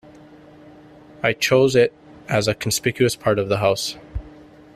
I chose it as a conspicuous part of the house.